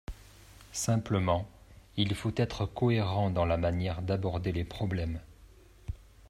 Simplement, il faut être cohérent dans la manière d’aborder les problèmes.